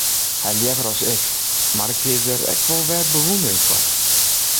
Hy leaver as ik, mar ik hie der ek wol wer bewûndering foar.